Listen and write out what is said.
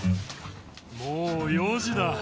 もう４時だ。